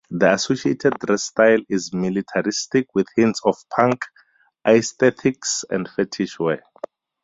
The associated dress style is militaristic with hints of punk aesthetics and fetish wear.